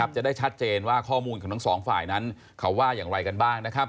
จะได้ชัดเจนว่าข้อมูลของทั้งสองฝ่ายนั้นเขาว่าอย่างไรกันบ้าง